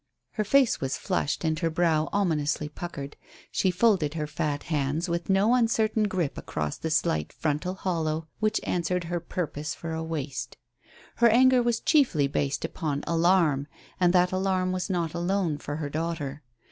Her face was flushed and her brow ominously puckered; she folded her fat hands with no uncertain grip across the slight frontal hollow which answered her purpose for a waist. Her anger was chiefly based upon alarm, and that alarm was not alone for her daughter.